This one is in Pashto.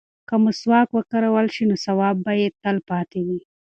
که مسواک وکارول شي نو ثواب به یې تل پاتې وي.